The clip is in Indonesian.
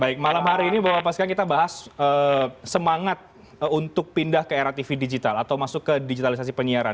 baik malam hari ini bapak bapak sekalian kita bahas semangat untuk pindah ke era tv digital atau masuk ke digitalisasi penyiaran